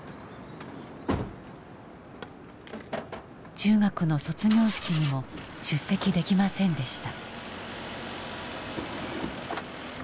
中学の卒業式にも出席できませんでした。